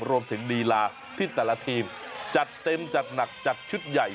ลีลาที่แต่ละทีมจัดเต็มจัดหนักจัดชุดใหญ่